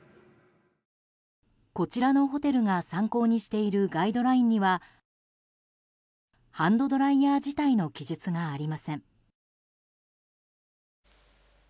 こちらのホテルが参考にしているガイドラインにはハンドドライヤー自体の記述がありません。